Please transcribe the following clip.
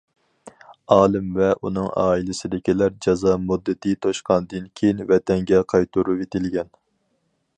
ئالىم ۋە ئۇنىڭ ئائىلىسىدىكىلەر جازا مۇددىتى توشقاندىن كېيىن ۋەتەنگە قايتۇرۇۋېتىلگەن.